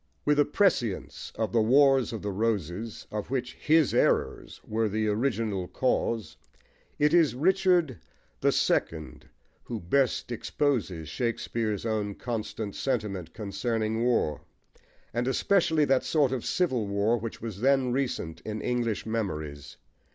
* With a prescience of the Wars of the Roses, of which his errors were the original cause, it is Richard who best exposes Shakespeare's own constant sentiment concerning war, and especially that sort of civil war which was then recent in English memories.